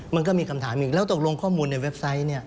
มันก็มีคำถามอีกแล้วตกลงข้อมูลในเว็บไซต์เนี่ย